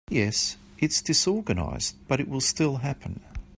Yes, it’s disorganized but it will still happen.